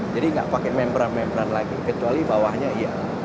jadi tidak pakai membran membran lagi kecuali bawahnya iya